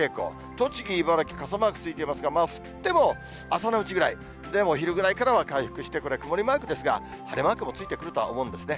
栃木、茨城、傘マークついていますが、降っても朝のうちぐらい、でもお昼ぐらいからは回復して、曇りマークですが、晴れマークもついてくるとは思うんですね。